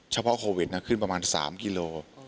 เฉพาะโควิดขึ้นประมาณ๓กิโล